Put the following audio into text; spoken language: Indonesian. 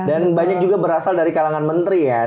dan banyak juga berasal dari kalangan menteri ya